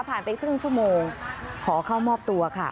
ไปครึ่งชั่วโมงขอเข้ามอบตัวค่ะ